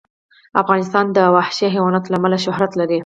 افغانستان د وحشي حیوانات له امله شهرت لري.